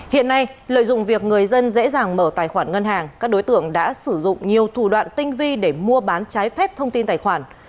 hiện nay lợi dụng việc người dân dễ dàng mở tài khoản ngân hàng các đối tượng đã sử dụng nhiều thủ đoạn tinh vi để mua bán trái phép thông tin tài khoản